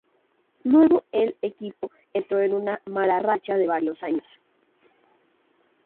Luego el equipo entró en una mala racha de varios años.